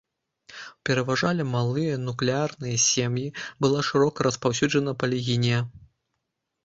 Пераважалі малыя нуклеарныя сем'і, была шырока распаўсюджана палігінія.